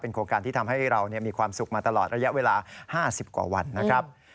โครงการที่ทำให้เรามีความสุขมาตลอดระยะเวลา๕๐กว่าวันนะครับ